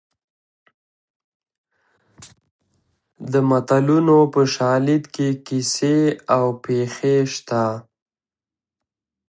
د متلونو په شالید کې کیسې او پېښې شته